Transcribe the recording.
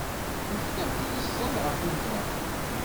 Ufiɣ-t yeẓẓel ɣef umeṭreḥ.